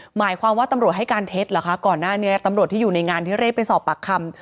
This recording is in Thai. หมายความว่าตำรวจให้การเท็จเหรอคะก่อนหน้านี้ตำรวจที่อยู่ในงานที่เรียกไปสอบปากคำ